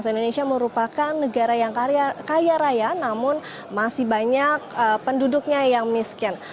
indonesia merupakan negara yang kaya raya namun masih banyak penduduknya yang miskin